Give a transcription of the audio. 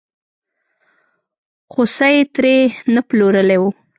خوسی یې ترې نه پلورلی و.